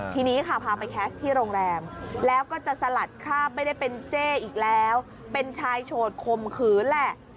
ทีนี้ค่ะพาไปแคสต์ที่โรงแรมแล้วก็จะสลัดคราบไม่ได้เป็นเจ้อีกแล้วเป็นชายโฉดคมขืนแหละ